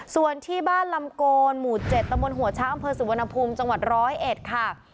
ส่วนที่บ้านลำโกนหมู่๗ตำบลหัวช้างอำเภอสุวรรณภูมิจังหวัด๑๐๑ค่ะ